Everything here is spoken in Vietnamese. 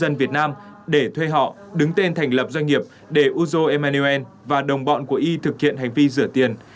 dân việt nam để thuê họ đứng tên thành lập doanh nghiệp để uzo emmanuel và đồng bọn của y thực hiện hành vi rửa tiền